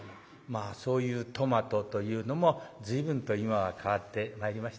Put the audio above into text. まあそういうトマトというのも随分と今は変わってまいりましたですね。